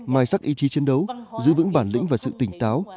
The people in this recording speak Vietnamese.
mài sắc ý chí chiến đấu giữ vững bản lĩnh và sự tỉnh táo